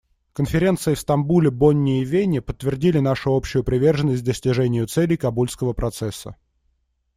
Конференции в Стамбуле, Бонне и Вене подтвердили нашу общую приверженность достижению целей Кабульского процесса.